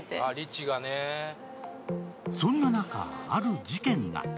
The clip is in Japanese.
そんな中、ある事件が！